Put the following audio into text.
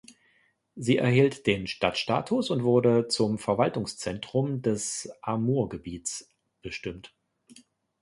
Sie erhielt den Stadtstatus und wurde zum Verwaltungszentrum des Amur-Gebiets bestimmt.